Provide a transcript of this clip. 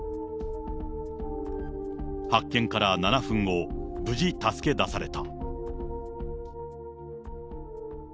発見から７分後、無事助け出された。